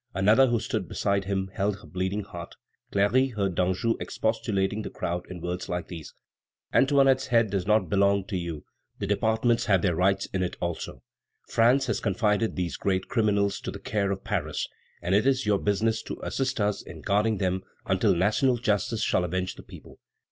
Another, who stood beside him, held her bleeding heart. Cléry heard Danjou expostulating the crowd in words like these: "Antoinette's head does not belong to you; the departments have their rights in it also. France has confided these great criminals to the care of Paris; and it is your business to assist us in guarding them until national justice shall avenge the people."